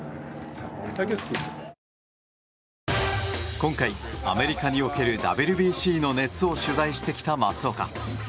今回、アメリカにおけるＷＢＣの熱を取材してきた松岡。